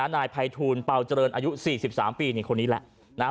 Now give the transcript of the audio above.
นายไพทูลเป่าเจริญอายุ๔๓ปีคนนี้แหละ